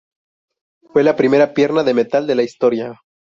Fue la primera pierna de metal de la historia.